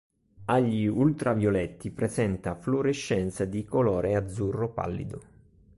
Agli ultravioletti presenta fluorescenza di colore azzurro pallido.